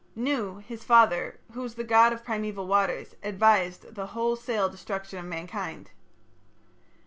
Nu, his father, who was the god of primeval waters, advised the wholesale destruction of mankind.